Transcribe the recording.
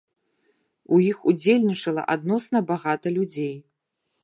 У іх удзельнічала адносна багата людзей.